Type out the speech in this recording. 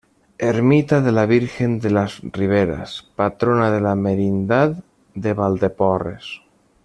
Ermita de la Virgen de las Riberas, patrona de la Merindad de Valdeporres.